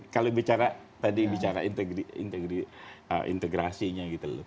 kalau bicara tadi integrasinya